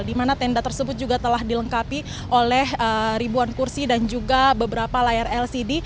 di mana tenda tersebut juga telah dilengkapi oleh ribuan kursi dan juga beberapa layar lcd